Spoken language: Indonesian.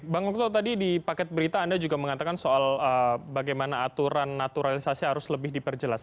bang lukto tadi di paket berita anda juga mengatakan soal bagaimana aturan naturalisasi harus lebih diperjelas